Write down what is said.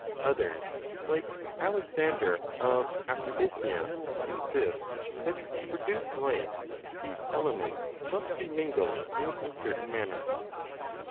Others (like Alexander of Aphrodisia) insist that to produce life these elements must be mingled in a certain manner.